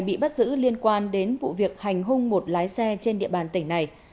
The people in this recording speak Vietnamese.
bị bắt giữ liên quan đến vụ việc hành hung một lái xe trên địa bàn tỉnh này